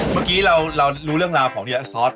เมื่อกี้เรารู้เรื่องราวของเดียซอส